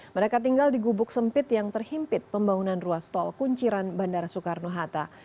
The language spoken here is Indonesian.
mereka tinggal di gubuk sempit yang terhimpit pembangunan ruas tol kunciran bandara soekarno hatta